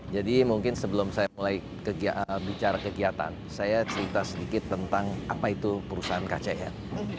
jadi mungkin sebelum saya mulai bicara kegiatan saya cerita sedikit tentang apa itu perusahaan kcn